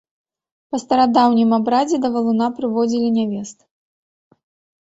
Па старадаўнім абрадзе да валуна прыводзілі нявест.